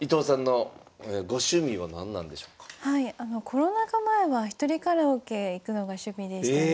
コロナ禍前は一人カラオケ行くのが趣味でしたね。